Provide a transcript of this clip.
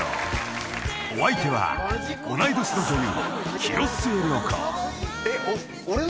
［お相手は同い年の女優］